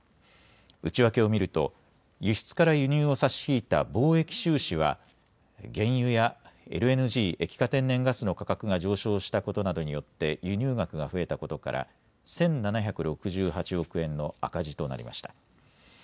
内訳を見ると輸出から輸入を差し引いた貿易収支は原油やＬＮＧ・液化天然ガスの価格が上昇したことなどによって輸入額が増えたことから１７６８億円の赤字となりました。